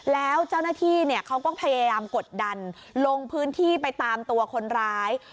แล้วเจ้าหน้าที่เขาก็พยายามกดดันลงพื้นที่ไปตามตัวคนร้าย